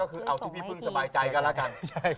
ก็คือเอาที่พี่พึ่งสบายใจก็แล้วกัน